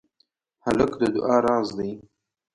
هلک د دعا راز دی.